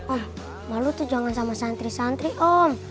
ah malu tuh jangan sama santri santri om